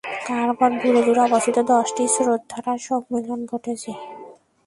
তারপর দূরে দূরে অবস্থিত দশটি স্রোতধারার সম্মিলন ঘটেছে।